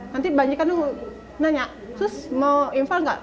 nanti banyak kandung nanya terus mau infal nggak